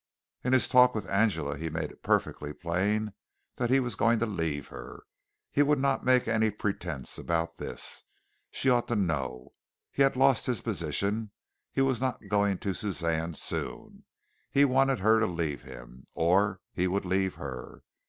In his talk with Angela he made it perfectly plain that he was going to leave her. He would not make any pretence about this. She ought to know. He had lost his position; he was not going to Suzanne soon; he wanted her to leave him, or he would leave her.